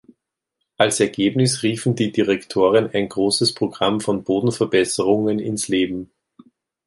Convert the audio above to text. Als Ergebnis riefen die Direktoren ein großes Programm von Bodenverbesserungen ins Leben.